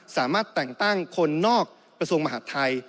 สามารถแต่งตั้งคนนอกประสงค์มหาธัย